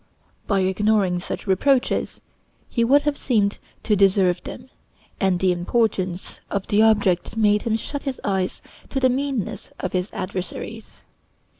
By ignoring such reproaches he would have seemed to deserve them, and the importance of the object made him shut his eyes to the meanness of his adversaries.